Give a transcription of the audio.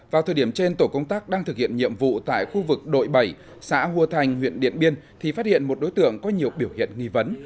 vào thời điểm trên tổ công tác đang thực hiện nhiệm vụ tại khu vực đội bảy xã hùa thành huyện điện biên thì phát hiện một đối tượng có nhiều biểu hiện nghi vấn